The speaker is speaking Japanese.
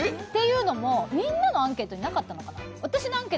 というのもみんなのアンケートになかったのかな？